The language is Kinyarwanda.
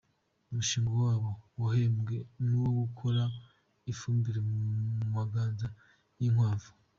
Umushinga wabo wahembwe ni uwo gukora ifumbire mu maganga y’ inkwavu.